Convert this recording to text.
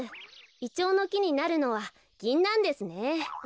イチョウのきになるのはギンナンですね。